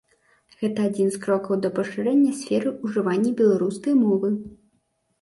Гэта адзін з крокаў да пашырэння сферы ўжывання беларускай мовы.